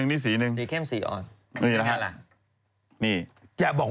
นี่สีนึง